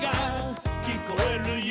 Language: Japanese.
「きこえるよ」